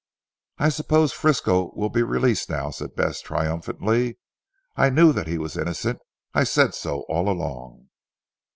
"I suppose Frisco will be released now," said Bess triumphantly. "I knew that he was innocent. I said so all along."